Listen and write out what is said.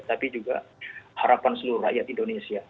tapi juga harapan seluruh rakyat indonesia